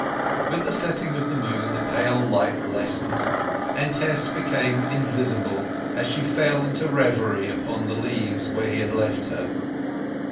With the setting of the moon the pale light lessened, and Tess became invisible as she fell into reverie upon the leaves where he had left her.